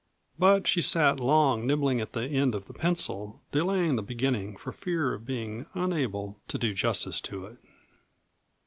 But she sat long nibbling at the end of the pencil, delaying the beginning for fear of being unable to do justice to it.